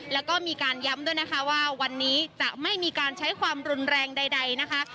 แล้วก็มีการย้ำด้วยนะคะว่าวันนี้จะไม่มีการใช้ความรุนแรงใดนะคะ